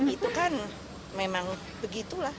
itu kan memang begitu